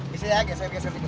di situ ya geser geser dikit